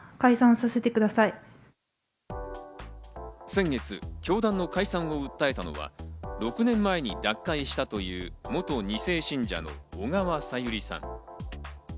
先月、教団の解散を訴えたのは、６年前に脱会したという元二世信者の小川さゆりさん。